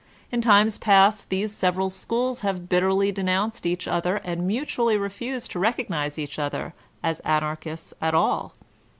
In times past these several schools have bitterly denounced each other and mutually refused to recognize each other as Anarchists at all.